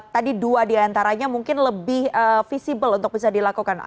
tadi dua diantaranya mungkin lebih visible untuk bisa dilakukan